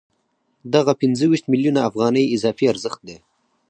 دغه پنځه ویشت میلیونه افغانۍ اضافي ارزښت دی